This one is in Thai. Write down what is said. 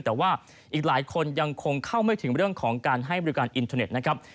แต่ว่าอีกหลายคนยังคงเข้าไม่ถึงเรื่องของการให้บริการอินเทอร์เน็ตนะครับ